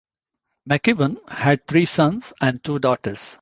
MacEwen had three sons and two daughters.